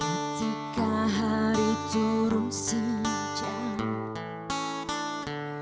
ketika hari turun sejak